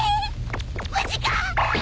無事か！？